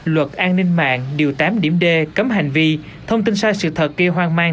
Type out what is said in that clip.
luật an ninh mạng điều tám điểm d cấm hành vi thông tin sai sự thật gây hoang mang